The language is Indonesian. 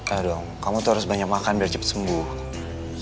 aduh kamu tuh harus banyak makan biar cepet semua ya